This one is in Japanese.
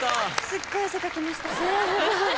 すっごい汗かきました。